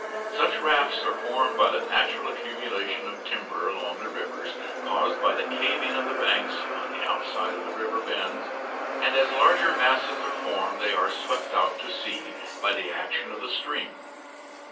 Such rafts are formed by the natural accumulations of timber along the rivers, caused by the caving of the banks on the outside of the river bends, and as larger masses are formed they are swept out to sea by the action of the stream.